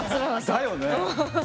だよね。